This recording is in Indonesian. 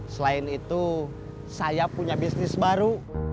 selain itu saya punya bisnis baru